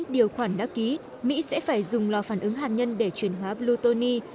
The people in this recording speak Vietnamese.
điều khoản đã ký mỹ sẽ phải dùng lò phản ứng hạt nhân để truyền hóa plutonium